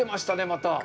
また。